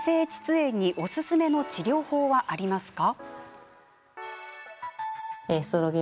炎におすすめの治療法はありますか？